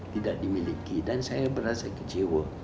tidak dimiliki dan saya merasa kecewa